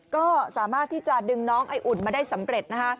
ก็สามารถที่จะดึงน้องไออุ่นมาได้สำเร็จนะคะ